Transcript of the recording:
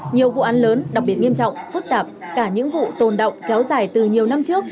nhiều vụ án lớn đặc biệt nghiêm trọng phức tạp cả những vụ tồn động kéo dài từ nhiều năm trước